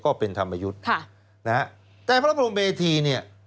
ก็เป็นธรรมยุทธ์ค่ะนะฮะแต่พระบรมเวทีเนี่ย